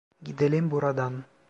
Gidelim buradan.